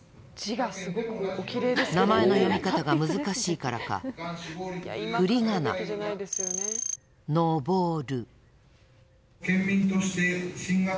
名前の読み方が難しいからかふりがな「のぼる」。